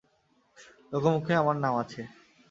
লোকমুখে আমার নাম আছে।